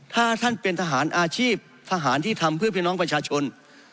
ถ้าท่านเป็นทหารอาชีพทหารที่ทำเพื่อพี่น้องประชาชน